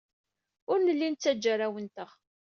Ur nelli nettajja arraw-nteɣ.